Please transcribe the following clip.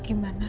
sakit banget ya